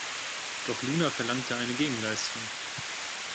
Doch Luna verlangte eine Gegenleistung.